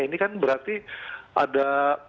ini kan berarti ada